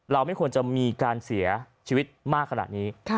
ไม่ควรจะมีการเสียชีวิตมากขนาดนี้